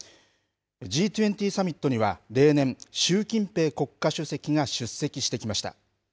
Ｇ２０サミットには、例年、習近平国家主席が出席してきました。